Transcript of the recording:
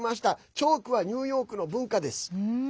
チョークはニューヨークの文化です。